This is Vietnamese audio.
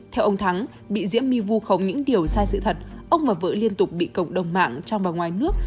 theo ông thắng bị diễm my vu khống những điều sai sự thật ông mà vợ liên tục bị cộng đồng mạng trong và ngoài nước